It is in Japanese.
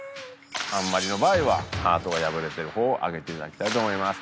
あんまりの場合はハートが破れてる方を上げていただきたいと思います。